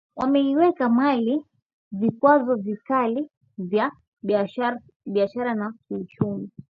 wameiwekea Mali vikwazo vikali vya biashara na kiuchumi